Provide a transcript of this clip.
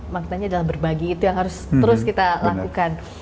maksudnya adalah berbagi itu yang harus terus kita lakukan